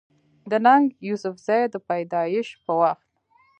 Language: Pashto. د ننګ يوسفزۍ د پېدايش پۀ وخت